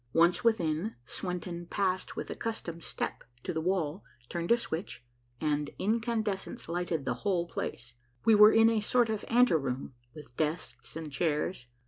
Once within, Swenton passed with accustomed step to the wall, turned a switch, and incandescents lighted the whole place. We were in a sort of anteroom, with desks and chairs.